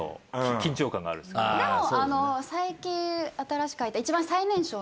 でも。